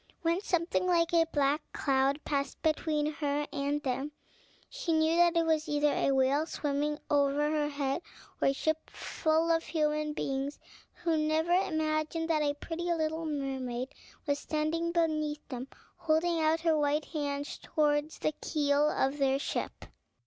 When something like a black cloud passed between her and them, she knew that it was either a whale swimming over her head, or a ship full of human beings, who never imagined that a pretty little mermaid was standing beneath them, holding out her white hands towards the keel of their ship.